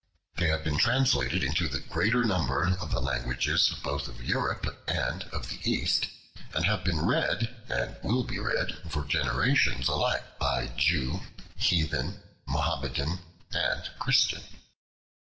They have been translated into the greater number of the languages both of Europe and of the East, and have been read, and will be read, for generations, alike by Jew, Heathen, Mohammedan, and Christian.